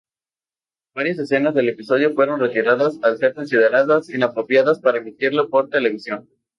Varias escenas del episodio fueron retiradas al ser consideradas inapropiadas para emitirlo por televisión.